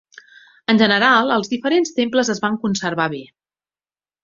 En general, els diferents temples es van conservar bé.